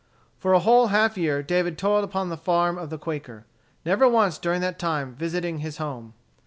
For a whole half year David toiled upon the farm of the Quaker, never once during that time visiting his home.